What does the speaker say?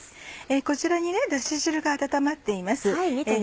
こちらにだし汁が温まっています。